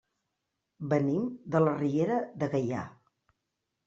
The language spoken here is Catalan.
Venim de la Riera de Gaià.